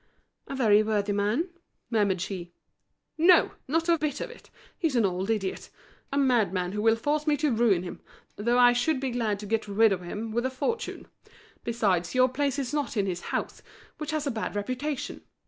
"A very worthy man," murmured she. "No, not a bit of it! he's an old idiot, a madman who will force me to ruin him, though I should be glad to get rid of him with a fortune! Besides, your place is not in his house, which has a bad reputation.